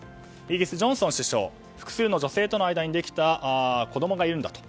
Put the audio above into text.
イギリス、ジョンソン首相複数の女性との間にできた子供がいるんだと。